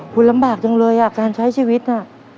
คุณลำบากจังเลยอ่ะการใช้ชีวิตน่ะ